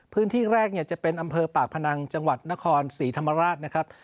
พื้นที่แรกเนี่ยจะเป็นอำเภอปากพนังจังหวัดนครศรีธรรมราชนะครับ